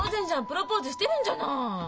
プロポーズしてるんじゃない！